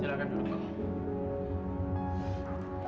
silahkan duduk pak